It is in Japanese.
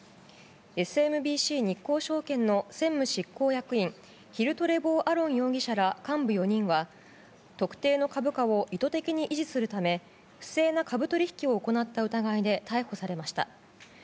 ＳＭＢＣ日興証券の専務執行役員ヒル・トレボー・アロン容疑者ら幹部４人は特定の株価を意図的に維持するため不正な株取引を行った疑いで逮捕されました。